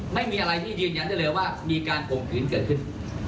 ไม่มีอะไรที่ยืนยันได้เลยว่ามีการข่มขืนเกิดขึ้น